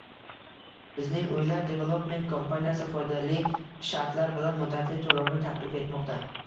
Bizning Uylar Development kompaniyasi foydali shartlar bilan muddatli to‘lovni taklif etmoqda